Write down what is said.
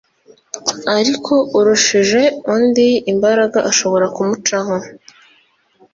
ariko urushije undi imbaraga ashobora kumucaho